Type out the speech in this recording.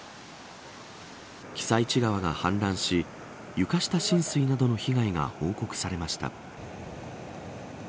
私都川が氾濫し床下浸水などの被害が報告されました。